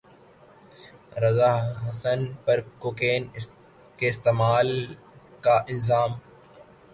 رضا حسن پر کوکین کے استعمال کا الزام